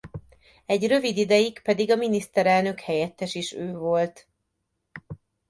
Egy rövid ideig pedig a miniszterelnök-helyettes is ő volt.